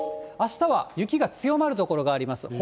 あしたは雪が強まる所があります。